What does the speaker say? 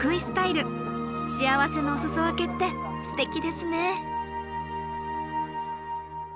幸せのお裾分けってステキですね。